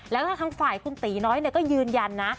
แล้วทางฝ่ายคุณตีน้อยก็ยืนยันนะ